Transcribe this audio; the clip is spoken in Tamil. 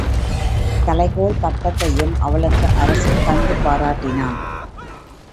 தலைக்கோல் பட்டத்தையும் அவளுக்கு அரசன் தந்து பாராட்டினான்.